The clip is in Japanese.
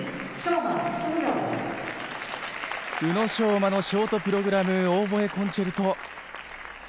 宇野昌磨のショートプログラム『オーボエコンチェルト』。